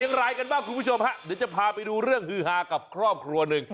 อย่างไรกันบ้างคุณผู้ชมฮะเดี๋ยวจะพาไปดูเรื่องฮือฮากับครอบครัวหนึ่ง